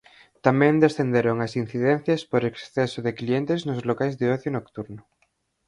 Tamén descenderon as incidencias por exceso de clientes nos locais de ocio nocturno.